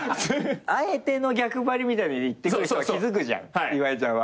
あえての逆張りみたいなので言ってくる人は気付くじゃん岩井ちゃんは。